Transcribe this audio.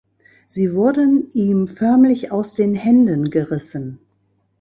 Sie wurden ihm förmlich aus den Händen gerissen.